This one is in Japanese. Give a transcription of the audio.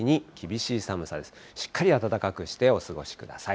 しっかり暖かくしてお過ごしください。